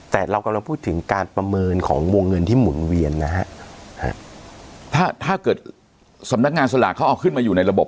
แต่เรากำลังพูดถึงการประเมินของวงเงินที่หมุนเวียนนะฮะถ้าถ้าเกิดสำนักงานสลากเขาเอาขึ้นมาอยู่ในระบบ